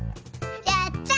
やった！